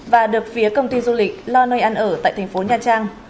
và được phía công ty du lịch lo nơi ăn ở tại thành phố nha trang